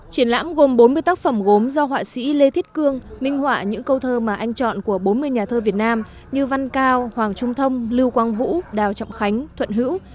triển lãm gồm bốn mươi tác phẩm gốm do họa sĩ lê thiết cương minh họa những câu thơ mà anh chọn của bốn mươi nhà thơ việt nam như văn cao hoàng trung thông lưu quang vũ đào trọng khánh thuận hữu